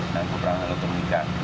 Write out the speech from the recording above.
dan keperangan lutun mika